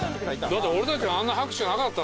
俺たちはあんな拍手なかった。